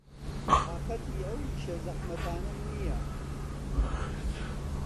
تاقەتی ئەو ئیشە زەحمەتانەم نییە.